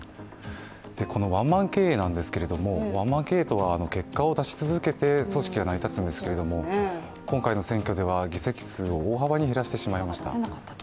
このワンマン経営なんですが、ワンマン経営とは結果を出し続けて組織が成り立つんですけれども今回の選挙では、議席数を大幅に減らしてしまいました。